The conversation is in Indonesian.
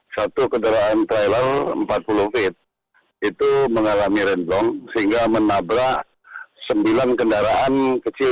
satu kendaraan trailer empat puluh feet itu mengalami renblong sehingga menabrak sembilan kendaraan kecil